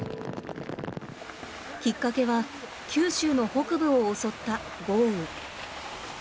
きっかけは九州の北部を襲った豪雨。